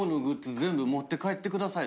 全部持って帰ってくださいだって。